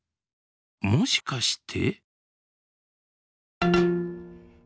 もしかして。